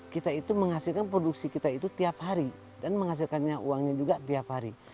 kita itu menghasilkan produksi kita itu tiap hari dan menghasilkannya uangnya juga tiap hari